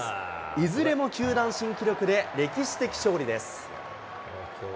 いずれも球団新記録で、歴史的勝利です。